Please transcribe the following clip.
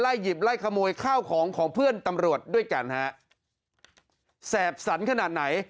หยิบไล่ขโมยข้าวของของเพื่อนตำรวจด้วยกันฮะแสบสันขนาดไหน